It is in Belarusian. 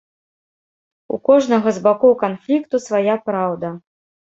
У кожнага з бакоў канфлікту свая праўда.